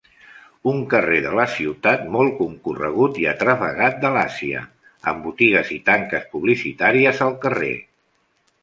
Un carrer de la ciutat molt concorregut i atrafegat de l'Àsia, amb botigues i tanques publicitàries al carrer.